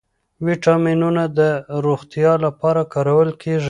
ویټامینونه د روغتیا لپاره کارول کېږي.